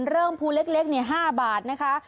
เริ่มภูเล็กเนี่ย๕บาทนะคะ